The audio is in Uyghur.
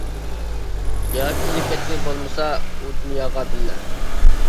ياكى ئېلىپ كەتكىلى بولمىسا ئۇ دۇنياغا بىللە.